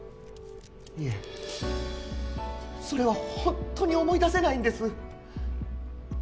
いえそれは本当に思い出せないんです。